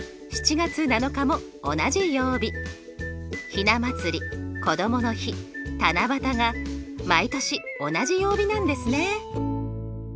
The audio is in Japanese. ひな祭りこどもの日七夕が毎年同じ曜日なんですね。